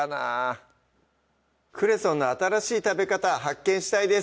クレソンの新しい食べ方発見したいです